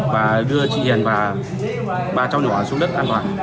và đưa chị hiền và ba cháu nhỏ xuống đất an toàn